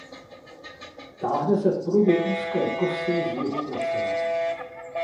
Táhne se v podobě úzké kosy z jihu na sever.